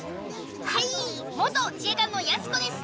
はい元自衛官のやす子です